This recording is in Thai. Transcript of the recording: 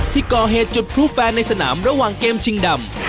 ที่ก่อเหตุจุดพลุแฟนในสนามระหว่างเกมชิงดำ